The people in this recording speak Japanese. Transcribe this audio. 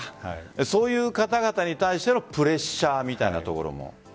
そういう方々に対してのプレッシャーみたいなところも。